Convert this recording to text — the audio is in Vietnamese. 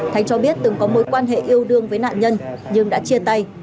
thanh cho biết từng có mối quan hệ yêu đương với nạn nhân nhưng đã chia tay